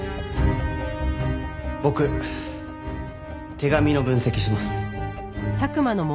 僕手紙の分析します。